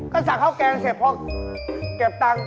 ก็สั่งข้าวแกงเสร็จพอเก็บตังค์